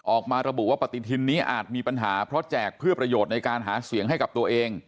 ออกมาระบุว่าปฏิทินนี้อาจมีปัญหาเพราะแจกเพื่อประโยชน์ในการหาเสียงให้กับตัวเอง